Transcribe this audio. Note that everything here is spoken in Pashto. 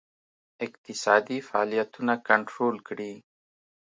اقتصادي فعالیتونه کنټرول کړي.